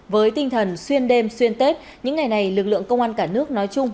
với tinh thần xuyên đêm xuyên tết những ngày này lực lượng công an cả nước nói chung